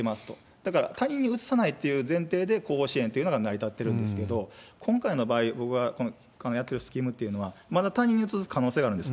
だから、他人にうつさないという前提で後方支援っていうのが成り立ってるんですけど、今回の場合は、このやってるスキームっていうのはまだ他人にうつす可能性があるんです。